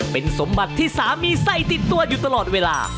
เป็นสมบัติที่สามีใส่ติดตัวอยู่ตลอดเวลา